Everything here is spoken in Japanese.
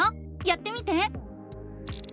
やってみて！